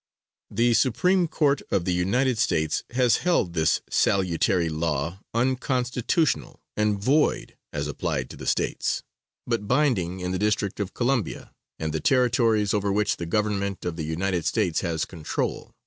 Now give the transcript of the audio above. The Supreme Court of the United States has held this salutary law unconstitutional and void as applied to the States, but binding in the District of Columbia, and the Territories over which the government of the United States has control.